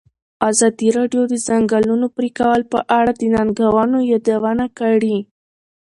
ازادي راډیو د د ځنګلونو پرېکول په اړه د ننګونو یادونه کړې.